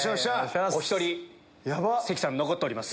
お１人関さん残っております。